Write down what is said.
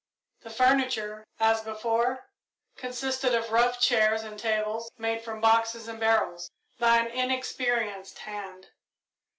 The furniture, as before, consisted of rough chairs and tables made from boxes and barrels by an inexperienced hand.